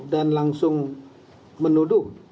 dan langsung menuduh